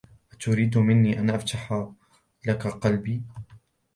اتريد مني ان افتح لك قلبي؟